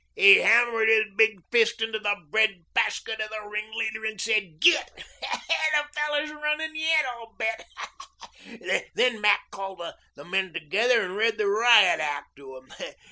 He hammered his big fist into the bread basket of the ringleader and said, 'Git!' That fellow's running yet, I'll bet. Then Mac called the men together and read the riot act to them.